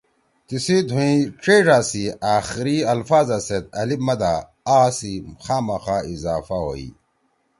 تیِسی دُھوئی چیڙا سی آخری الفاظا سیت الِف مدہ ) آ( سی خامخا اضافہ ہوئی۔